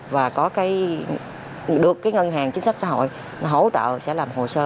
và có cái được cái ngân hàng chính sách xã hội hỗ trợ sẽ làm hồ sơ